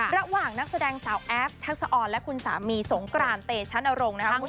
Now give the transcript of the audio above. ระหว่างนักแสดงสาวแอฟทักษะอ่อนและคุณสามีสงกรานเตชั่นอลง